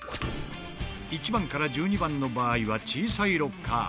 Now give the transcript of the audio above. １番から１２番の場合は小さいロッカー。